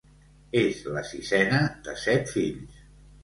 És la sisena de set fills.